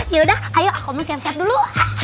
yaudah ayo aku mau siap siap dulu